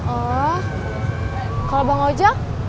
oh kalau bang oja